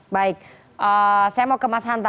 baik saya mau ke mas hanta